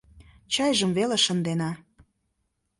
Чайжым веле шындена.